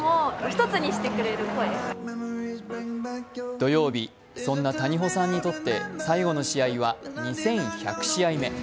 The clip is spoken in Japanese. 土曜日、そんな谷保さんにとって最後の試合は２１００試合目。